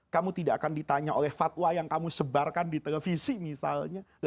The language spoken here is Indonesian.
kamu tidak akan ditanya oleh fatwa yang kamu sebarkan di televisi misalnya